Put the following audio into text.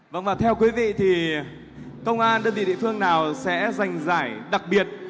vâng và theo quý vị thì công an đơn vị địa phương nào sẽ giành giải đặc biệt